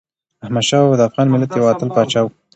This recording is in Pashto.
احمدشاه بابا د افغان ملت یو اتل پاچا و.